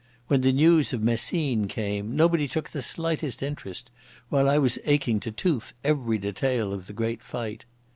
When the news of Messines came nobody took the slightest interest, while I was aching to tooth every detail of the great fight.